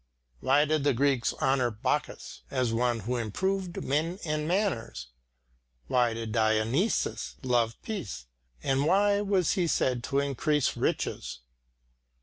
Why did the Greeks honour Bacchus as one who improved men and manners? Why did Dionysus love peace, and why was he said to increase riches?